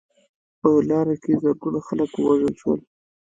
په لاره کې زرګونه خلک ووژل شول.